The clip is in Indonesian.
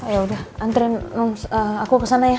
ya udah antren aku kesana ya